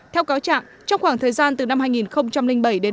theo cáo trạng trong khoảng thời gian từ năm hai nghìn bảy đến năm hai nghìn một mươi ba